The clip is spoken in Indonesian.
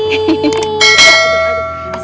aduh aduh aduh